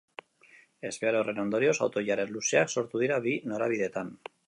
Ezbehar horren ondorioz, auto-ilara luzeak sortu dira bi norabideetan.